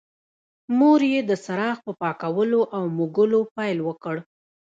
مور یې د څراغ په پاکولو او موږلو پیل وکړ.